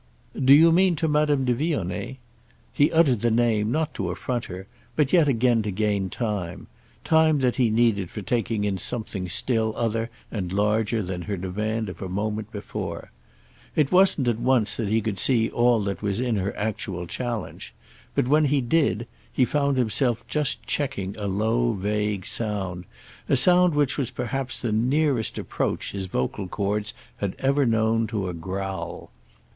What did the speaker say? "Do you mean to Madame de Vionnet?" He uttered the name not to affront her, but yet again to gain time—time that he needed for taking in something still other and larger than her demand of a moment before. It wasn't at once that he could see all that was in her actual challenge; but when he did he found himself just checking a low vague sound, a sound which was perhaps the nearest approach his vocal chords had ever known to a growl.